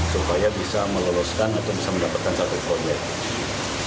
supaya bisa meloloskan atau bisa mendapatkan satu proyek